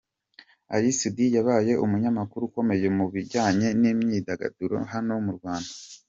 Ally Soudy yabaye umunyamakuru ukomeye mu bijyanye n'imyidagaduro hano mu Rwanda.